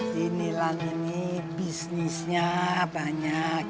di nilan ini bisnisnya banyak